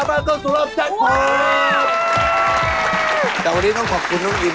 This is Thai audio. ผมกูระดับ๑เลือกเล่น๑